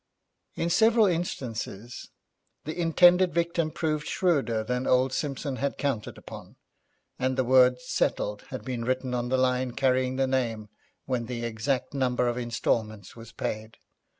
In several instances the intended victim proved shrewder than old Simpson had counted upon, and the word 'Settled' had been written on the line carrying the name when the exact number of instalments was paid.